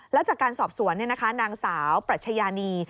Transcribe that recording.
แล้วจากการสอบสวนนางสาวปรัชญานี